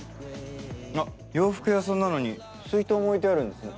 あっ洋服屋さんなのに水筒も置いてあるんですね。